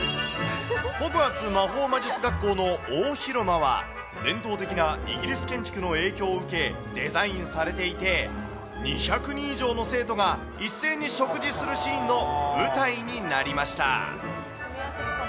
ホグワーツ魔法魔術学校の大広間は、伝統的なイギリス建築の影響を受け、デザインされていて、２００人以上の生徒が一斉に食事するシーンの舞台になりました。